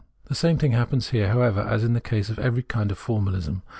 The same thing happens here, however, as in the case of every kind of formalism.